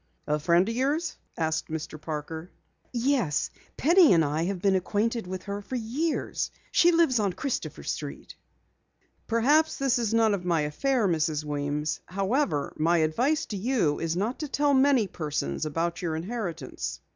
"A friend of yours?" asked Mr. Parker. "Yes, Penny and I have been acquainted with her for years. She lives on Christopher Street." "Perhaps this is none of my affair, Mrs. Weems. However, my advice to you is not to tell many persons about your inheritance."